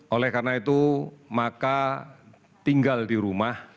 oleh karena itu maka tinggal di rumah